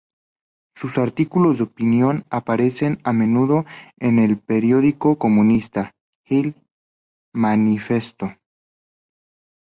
Sus artículos de opinión aparecen a menudo en el periódico comunista "Il manifesto".